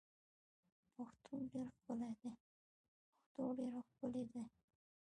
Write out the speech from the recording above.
پښتو ډیر ښکلی دی.